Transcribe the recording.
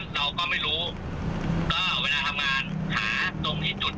ในตัวผมก็รีบเต็มที่ทำงานกันเต็มที่อยู่แล้ว